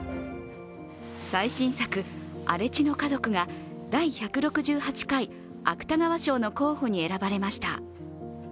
最新作「荒地の家族」が第１６８回芥川賞の候補に選ばれました。